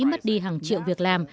mất đi hàng triệu việc làm